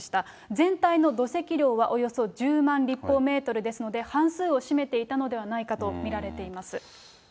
全体の土石量はおよそ１０万立方メートルですので、半数を占めていたのではないかと見られています。